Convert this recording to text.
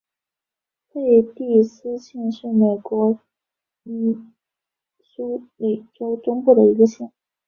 佩蒂斯县是美国密苏里州中部的一个县。